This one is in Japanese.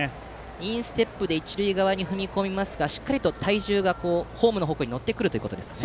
インステップで一塁側に踏み込みますがしっかりと体重がホームの方向に乗ってくるということですか？